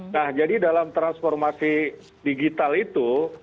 nah jadi dalam transformasi digital itu